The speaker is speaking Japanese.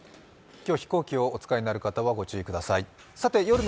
飛行機をお使いになる方はご注意ください。